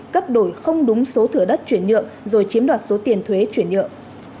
cấp đổi không đúng số thửa đất chuyển nhượng rồi chiếm đoạt số tiền thuế chuyển nhượng